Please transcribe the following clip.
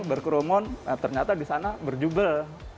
berkerumun ternyata di sana berjubel